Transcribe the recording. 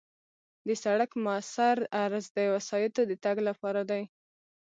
د سړک موثر عرض د وسایطو د تګ لپاره دی